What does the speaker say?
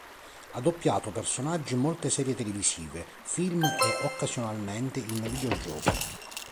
Ha doppiato personaggi in molte serie televisive, film e occasionalmente in videogiochi.